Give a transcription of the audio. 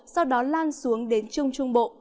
sau đó lan xuống đến trung trung bộ